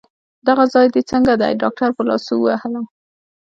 دغه ځای دي څنګه دی؟ ډاکټر په لاسو ووهلم.